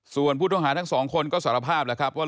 ส่วนผู้ต้องหาทั้งสองคนก็สารภาพแล้วครับว่า